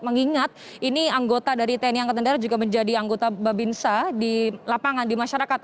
mengingat ini anggota dari tni angkatan darat juga menjadi anggota babinsa di lapangan di masyarakat